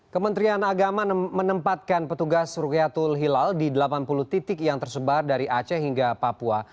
kementerian agama menempatkan petugas rukyatul hilal di delapan puluh titik yang tersebar dari aceh hingga papua